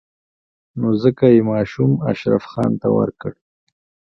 نو ځکه يې ماشوم اشرف خان ته ورکړ.